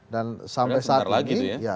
dan sampai saat ini